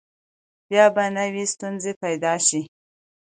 بیا به نوي ستونزې پیدا شي.